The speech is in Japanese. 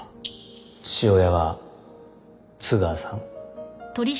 父親は津川さん？